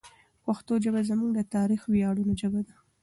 پښتو ژبه زموږ د تاریخي ویاړونو ژبه ده.